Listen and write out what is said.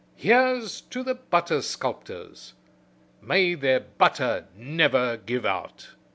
Here's to the Butter Sculptors. May their butter never give out."